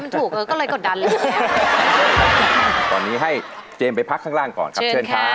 ตอนนี้ให้เจมส์ไปพักข้างล่างก่อนครับ